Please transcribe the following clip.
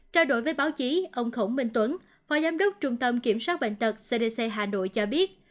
trao đổi với báo chí ông khổng minh tuấn phó giám đốc trung tâm kiểm soát bệnh tật cdc hà nội cho biết